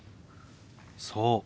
そう。